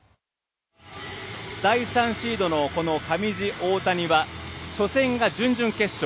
第３シード上地、大谷は初戦が準々決勝。